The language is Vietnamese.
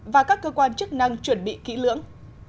và các cơ quan chức năng chuẩn bị kỹ lưỡng